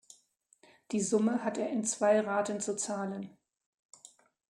Die Summe hat er in zwei Raten zu zahlen.